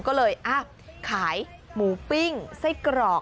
ก็เลยขายหมูปิ้งไส้กรอก